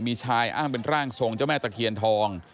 มีชายอ้างเป็นร่างทรงเจ้าแม่ตะเคียนทอง